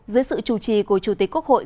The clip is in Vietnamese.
dưới sự chủ trì của chủ tịch quốc hội